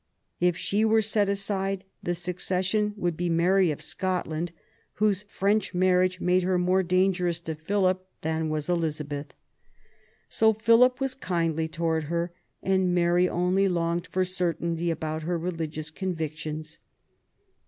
If she were set aside, the succession would be Mary Scotland, whose French marriage made her more dangerous to Philip than was Elizabeth. So Philipl was kindly towards her ; and Mary only longed for certainty about her religious convictions.